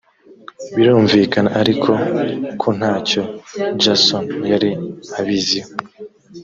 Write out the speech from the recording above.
birumvikana ariko ko nta cyo jason yari abiziho